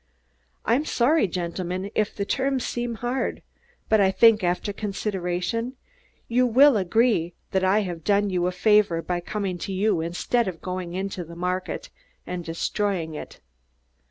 "I'm sorry, gentlemen, if the terms seem hard, but I think, after consideration, you will agree that I have done you a favor by coming to you instead of going into the market and destroying it.